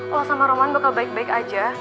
kalau sama roman bakal baik baik aja